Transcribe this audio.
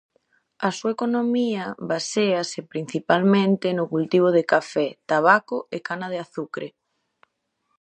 A súa economía baséase principalmente no cultivo de café, tabaco e cana de azucre.